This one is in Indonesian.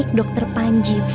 baik dokter panji